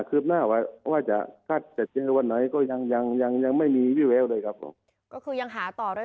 คืบหน้าว่าจะคัดจะเจอวันไหนก็ยังยังยังยังไม่มีวิเวลเลยครับครับก็คือยังหาต่อเรื่อยเรื่อย